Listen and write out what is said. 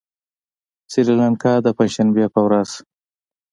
سريلانکا د پنجشنبې په ورځ